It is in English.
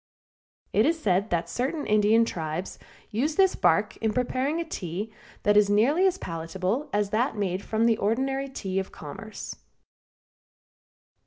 It is said that certain Indian tribes use this bark in preparing a tea that is nearly as palatable as that made from the ordinary tea of commerce.